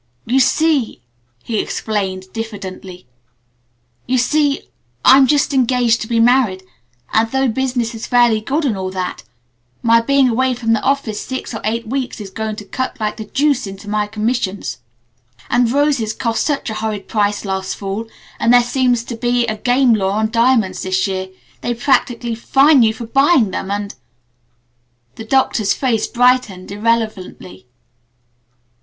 "You see," he explained diffidently; "you see, I'm just engaged to be married and though business is fairly good and all that my being away from the office six or eight weeks is going to cut like the deuce into my commissions and roses cost such a horrid price last Fall and there seems to be a game law on diamonds this year; they practically fine you for buying them, and " The Doctor's face brightened irrelevantly.